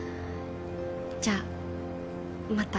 じゃあまた。